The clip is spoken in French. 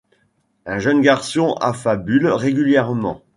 Un jeune garçon affabule régulièrement.